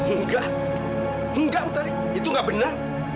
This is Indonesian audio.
enggak enggak utari itu nggak benar